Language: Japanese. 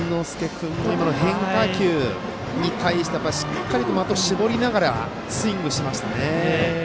君も今の変化球に対してしっかりと的を絞りながらスイングしましたね。